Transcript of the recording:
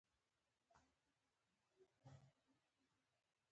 هر څومره چې ډېر وژلی شې هغومره ښه انقلابي یې.